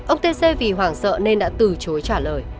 ông t c vì hoảng sợ nên đã từ chối trả lời